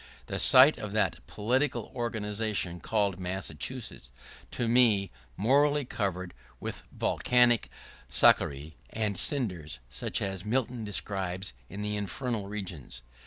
The site of that political organization called Massachusetts is to me morally covered with volcanic scoriae and cinders, such as Milton describes in the infernal regions.